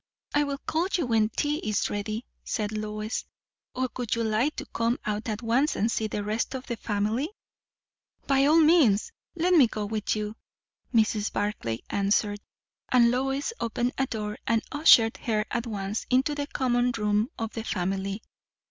"I will call you when tea is ready," said Lois. "Or would you like to come out at once, and see the rest of the family?" "By all means! let me go with you," Mrs. Barclay answered; and Lois opened a door and ushered her at once into the common room of the family.